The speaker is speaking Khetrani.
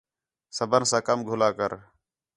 صبر ساں کم گھلا کر